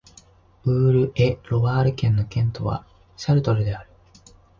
ウール＝エ＝ロワール県の県都はシャルトルである